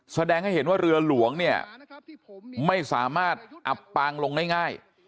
แสดงให้เห็นว่าเรือหลวงเนี่ยไม่สามารถอับปางลงได้ง่าย